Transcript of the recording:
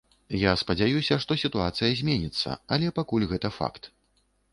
Я спадзяюся, што сітуацыя зменіцца, але пакуль гэта факт.